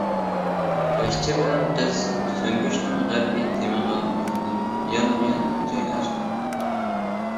تاشچى بىلەن قىز سۈڭگۈچنىڭ غەربىي تېمىغا يۆلىنىپ يانمۇيان جايلاشتى.